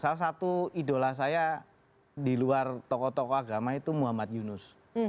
salah satu idola saya di luar tokoh tokoh agama itu muhammad yunus